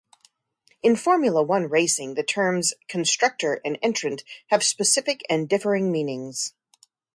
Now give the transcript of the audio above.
In Formula One racing the terms "constructor" and "entrant" have specific and differing meanings.